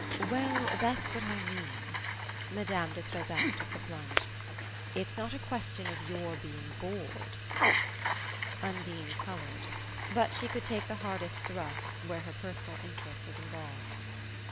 "Well, that's what I mean " Madame de Trezac took the plunge. "It's not a question of your being bored." Undine coloured; but she could take the hardest thrusts where her personal interest was involved.